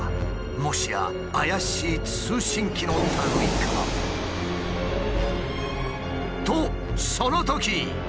もしや怪しい通信機のたぐいか！？とそのとき。